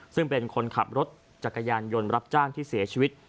ซึ่งเป็นคนขับรถจักรยานยนต์รับจ้างที่เสียชีวิต